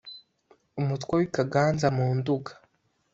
umutwa w'i kaganza mu nduga;